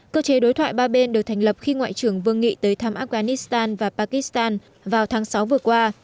cơ chế đối thoại ba bên được thành lập khi ngoại trưởng vương nghị tới thăm afghanistan và pakistan vào tháng sáu vừa qua